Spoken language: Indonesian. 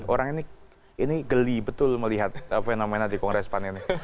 orang ini geli betul melihat fenomena di kongres pan ini